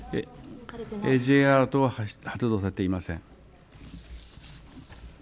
Ｊアラートは発動されていません。